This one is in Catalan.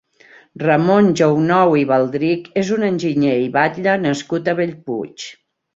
Ramon Jounou i Baldrich és un enginyer i batlle nascut a Bellpuig.